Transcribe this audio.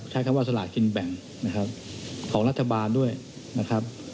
ใช้คำว่าสลากินแบ่งนะครับของรัฐบาลด้วยนะครับ